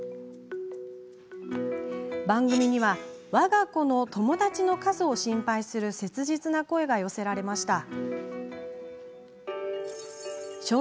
番組にはわが子の友達の数を心配する切実な声が寄せられました。